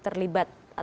terlibat itu benar